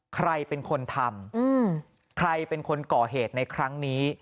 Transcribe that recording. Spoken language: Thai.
ใครเป็นคนทำใครเป็นคนก่อเหตุในครั้งนี้